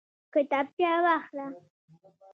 کتابچه واخله